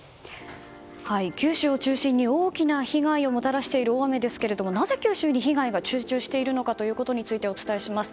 九州を中心に大きな被害をもたらしている大雨ですがなぜ九州に被害が集中しているのかということについてお伝えします。